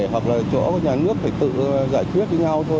hoặc là chỗ nhà nước phải tự giải quyết với nhau thôi